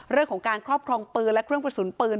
เรื่องของการครอบครองปืนและเครื่องกระสุนปืน